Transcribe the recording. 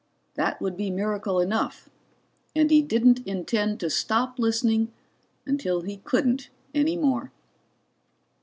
That would be miracle enough, and he didn't intend to stop listening until he couldn't any more.